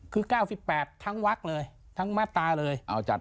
คือ๙๘ทั้งวักเลยทั้งมาตราเลย